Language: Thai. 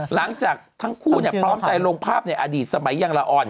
หลังจากทั้งคู่พร้อมใจลงภาพในอดีตสมัยยังละอ่อน